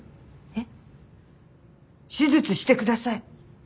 えっ？手術してください。